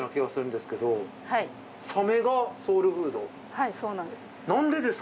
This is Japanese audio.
はいそうなんです。